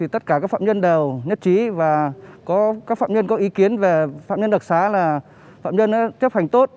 tất cả các phạm nhân đều nhất trí và các phạm nhân có ý kiến về phạm nhân đặc sá là phạm nhân tiếp hành tốt